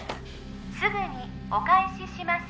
すぐにお返しします